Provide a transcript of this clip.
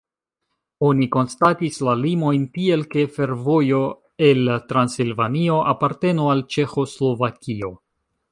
Oni konstatis la limojn tiel, ke fervojo el Transilvanio apartenu al Ĉeĥoslovakio.